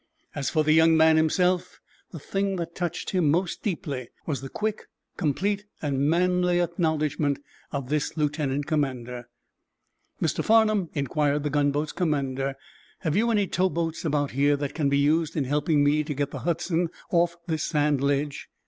As for the young man himself, the thing that touched him most deeply was the quick, complete and manly acknowledgment of this lieutenant commander. "Mr. Farnum," inquired the gunboat's commander, "have you any towboats about here that can be used in helping me to get the 'Hudson' off this sand ledge?"